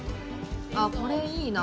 あっ、これ、いいなぁ。